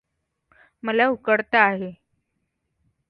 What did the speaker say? मला उकडत आहे.